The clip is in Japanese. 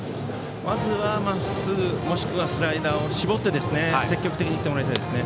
まずは、まっすぐもしくはスライダーを絞って積極的にいってもらいたいですね。